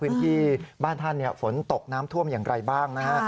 พื้นที่บ้านท่านฝนตกน้ำท่วมอย่างไรบ้างนะฮะ